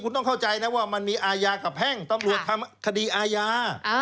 คุณต้องเข้าใจนะว่ามันมีอาญากับแพ่งตำรวจทำคดีอาญา